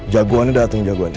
jagoannya dateng jagoannya